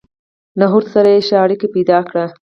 نهرو سره يې ښې اړيکې پېدا کړې